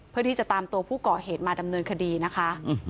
เพื่อที่จะตามตัวผู้ก่อเหตุมาดำเนินคดีนะคะ